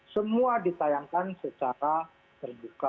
semua ditayangkan secara terbuka